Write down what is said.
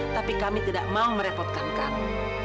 tapi kami tidak mau merepotkan kami